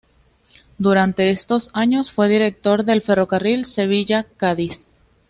Durante estos años fue director del ferrocarril Sevilla-Cádiz.